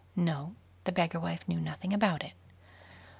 No; the beggar wife knew nothing about it.